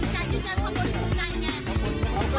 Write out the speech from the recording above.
จะได้รู้สักว่า